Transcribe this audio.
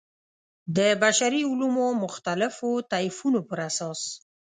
د بشري علومو مختلفو طیفونو پر اساس.